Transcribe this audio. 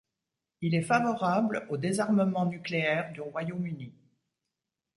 Il est favorable au désarmement nucléaire du Royaume-Uni.